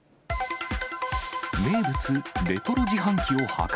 名物、レトロ自販機を破壊。